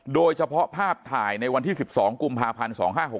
โดยเฉพาะภาพถ่ายในวันที่๑๒กุมภาพันธ์๒๕๖๖